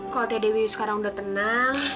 kalau teh dewi sekarang sudah tenang